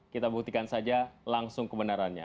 kita buktikan saja langsung kebenarannya